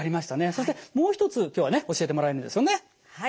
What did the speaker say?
そしてもう一つ今日はね教えてもらえるんですよね。